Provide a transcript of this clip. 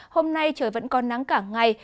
hôm nay trời vẫn còn nắng cả ngày